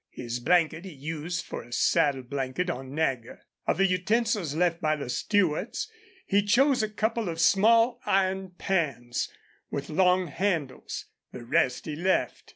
His blanket he used for a saddle blanket on Nagger. Of the utensils left by the Stewarts he chose a couple of small iron pans, with long handles. The rest he left.